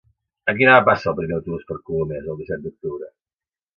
A quina hora passa el primer autobús per Colomers el disset d'octubre?